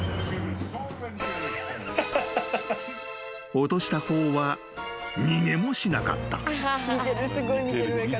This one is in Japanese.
［落とした方は逃げもしなかった］